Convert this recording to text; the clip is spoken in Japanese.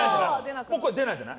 もう出ないじゃない。